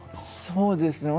そうですね。